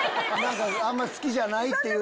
あんま好きじゃないっていう。